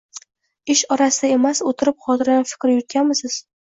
Ish orasida emas, o‘tirib, xotirjam fikr yuritganmisiz.